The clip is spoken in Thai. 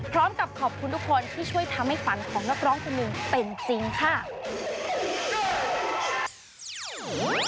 พร้อมกับขอบคุณทุกคนที่ช่วยทำให้ฝันของนักร้องคนหนึ่งเป็นจริงค่ะ